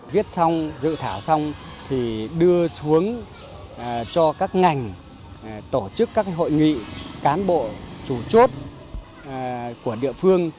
viết xong dự thảo xong thì đưa xuống cho các ngành tổ chức các hội nghị cán bộ chủ chốt của địa phương